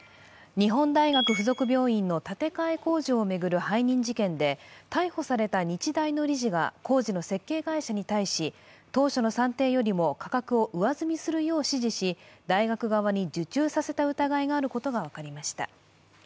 日本大学附属病院の建て替え工事を巡る背任事件で逮捕された日大の理事が工事の設計会社に対し当初の算定よりも価格を上積みするよう指示し、大学側に受注させた疑いがあることが分かりました。